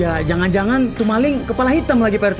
ya jangan jangan tuh maling kepala hitam lagi pak rt bener gak